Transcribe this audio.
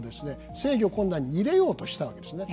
「制御困難」に入れようとしたわけですね。